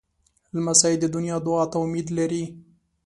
لمسی د نیا دعا ته امید لري.